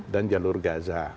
dan jalur gaza